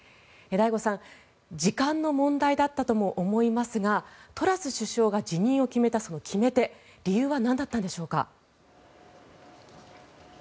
醍醐さん、時間の問題だったとも思いますがトラス首相が辞任を決めたその決め手理由はなんだったのでしょうか。